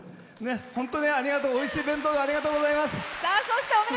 本当に、おいしい弁当ありがとうございます。